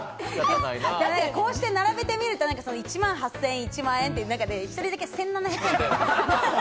こうして並べてみると、１万８０００円、１万円という中で一人だけ１７００円。